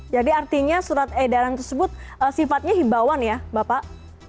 jadi artinya surat edaran tersebut sifatnya hibawan ya bapak